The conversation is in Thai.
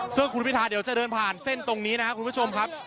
ซึ่งคุณพิทาเดี๋ยวจะเดินผ่านเส้นตรงนี้นะครับคุณผู้ชมครับ